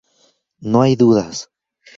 No hay dudas.